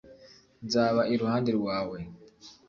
nzaba iruhande rwawe